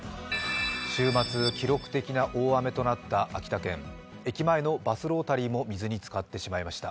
週末、記録的な大雨となった秋田県駅前のバスロータリーも水につかってしまいました。